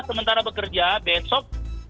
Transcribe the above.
sementara bekerja besok